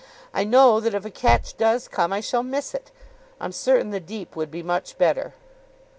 I know that if a catch does come, I shall miss it. I'm certain the deep would be much better."